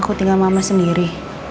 aku tinggal mama sendiri